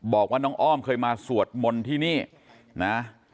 บอกว่าน้องอ้อมเคยมาสวดมนต์ที่นี่นะ